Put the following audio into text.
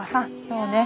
そうね。